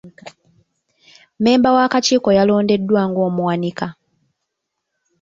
Mmemba w'akakiiko yalondeddwa ng'omuwanika.